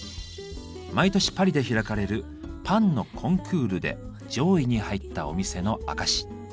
毎年パリで開かれるパンのコンクールで上位に入ったお店の証し。